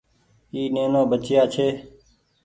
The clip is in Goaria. اي نينو ٻچييآ ڇي۔